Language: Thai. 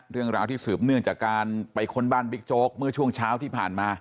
เรื่องราวที่สืบเนื่องจากการไปค้นบ้านบิ๊กโจ๊กเมื่อช่วงเช้าที่ผ่านมา